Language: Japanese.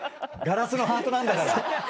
ガラスのハートなんだから。